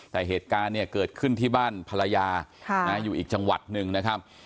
แต่เหตุการณ์เนี่ยเกิดขึ้นที่บ้านภรรยาอยู่อีกจังหวัดหนึ่งนะครับ